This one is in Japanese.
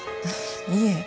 いえ。